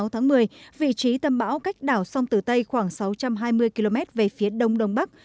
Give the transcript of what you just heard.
hai mươi tháng một mươi vị trí tâm bão cách đảo sông tử tây khoảng sáu trăm hai mươi km về phía đông đông bắc